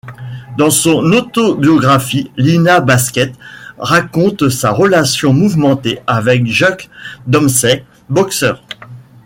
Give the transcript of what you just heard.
Dans son autobiographie, Lina Basquette raconte sa relation mouvementée avec Jack Dempsey, boxeur.